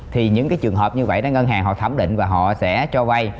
thì những cái trường hợp như vậy đó ngân hàng họ thẩm định và họ sẽ cho vay